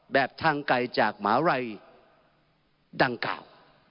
แบบทางไกลจากหมารัยดังกล่าว